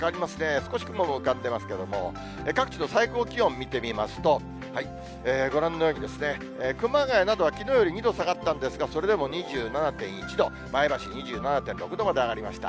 少し雲が浮かんでますけれども、各地の最高気温、見てみますと、ご覧のように、熊谷などはきのうより２度下がったんですが、それでも２７．１度、前橋２７．６度まで上がりました。